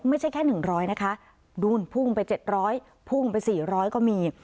ไม่ใช่แค่หนึ่งร้อยนะคะภูมิพุ่งไปเจ็ดร้อยพุ่งไปสี่ร้อยก็มี